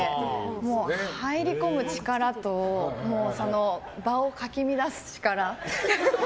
もう、入り込む力と場をかき乱す力。